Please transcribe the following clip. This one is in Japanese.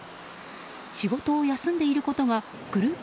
仕事を休んでいることがグループ